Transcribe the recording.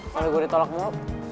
selalu gue ditolak mulu